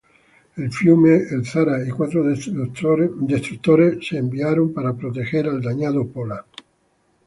El "Fiume", el "Zara", y cuatro destructores fueron enviados para proteger al dañado "Pola".